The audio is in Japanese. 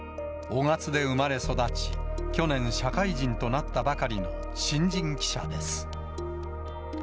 雄勝で生まれ育ち、去年、社会人となったばかりの新人記者です。